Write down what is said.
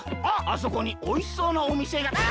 あっあそこにおいしそうなおみせが。